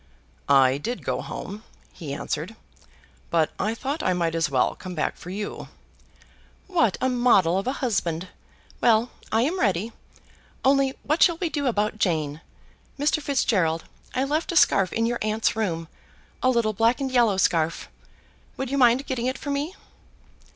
"I did go home," he answered, "but I thought I might as well come back for you." "What a model of a husband! Well; I am ready. Only, what shall we do about Jane? Mr. Fitzgerald, I left a scarf in your aunt's room, a little black and yellow scarf, would you mind getting it for me?"